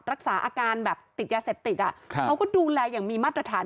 รักษาอาการแบบติดยาเสพติดเขาก็ดูแลอย่างมีมาตรฐาน